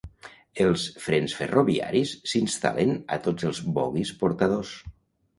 Els frens ferroviaris s'instal·len a tots els bogies portadors.